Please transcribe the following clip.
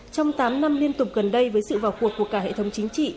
trong tám năm liên tục gần đây với sự vào cuộc của cả hệ thống chính trị